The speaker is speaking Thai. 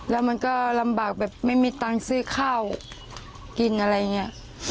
แล้วมันก็ลำบากแบบไม่มีตังค์ซื้อข้าวกินอะไรอย่างนี้